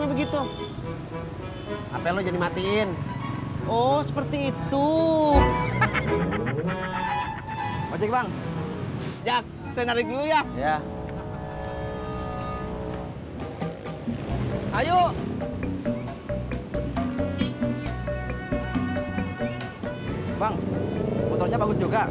bang motornya bagus juga